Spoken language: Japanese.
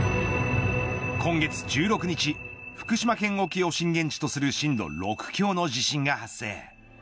今月１６日福島県沖を震源地とする震度６強の地震が発生。